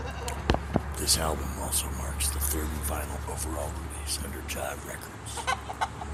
This album also marks the third and final overall release under Jive Records.